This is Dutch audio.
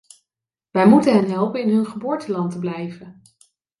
Wij moeten hen helpen in hun geboorteland te blijven.